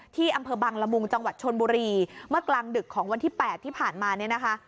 ที่อำเภอบังละมุงจังหวัดชนบุรีเมื่อกลางดึกของวันที่๘ที่ผ่านมาเนี่ยนะคะ